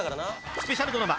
［スペシャルドラマ］